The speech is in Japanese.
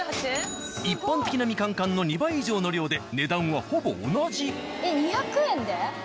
一般的なみかん缶の２倍以上の量で値段はほぼ同じ。